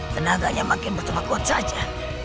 tenaganya makin bertambah kuat saja